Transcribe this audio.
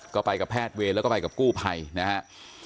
ก็ไปกับแพทย์เวรแล้วก็ไปกับกู้ภัยนะครับ